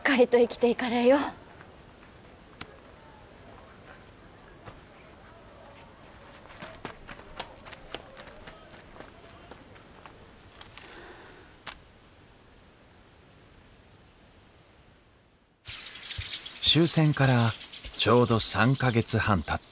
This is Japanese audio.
終戦からちょうど３か月半たった朝のことでした